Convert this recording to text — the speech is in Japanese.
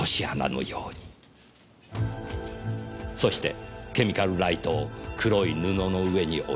そしてケミカルライトを黒い布の上に置いた。